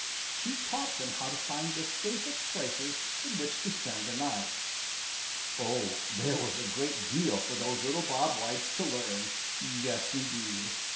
She taught them how to find the safest places in which to spend the night. Oh, there was a great deal for those little Bob Whites to learn! Yes, indeed.